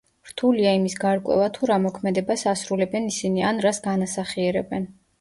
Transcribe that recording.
რთულია იმის გარკვევა თუ რა მოქმედებას ასრულებენ ისინი ან რას განასახიერებენ.